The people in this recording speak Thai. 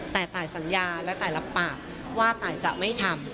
แต่ตายสัญญาและตายรับปากว่าตายจะไม่ทำ